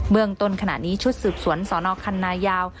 เมืองต้นขณะนี้ชุดสืบสวนสนคันนายาว